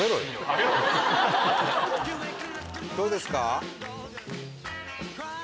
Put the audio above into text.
どうですか？